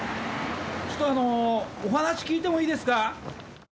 ちょっとあのお話聞いてもいいですか？